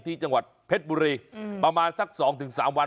ที่จังหวัดเพชรบุรีอืมประมาณสักสองถึงสามวัน